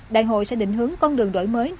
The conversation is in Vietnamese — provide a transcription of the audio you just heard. đại hội sẽ định hướng con đường đổi mới